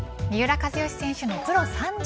三浦知良選手のプロ